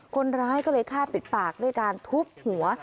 คนร้ายก็เลยฆ่าปิดปากด้วยการทุบหัว